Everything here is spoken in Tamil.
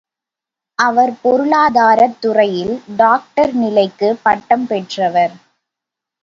அவர் பொருளாதாரத் துறையில் டாக்டர் நிலைக்குப் பட்டம் பெற்றவர்.